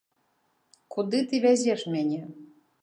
Куды ты вязеш мяне?!